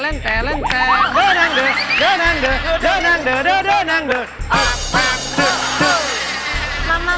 เลื่อนไปที่มะมะ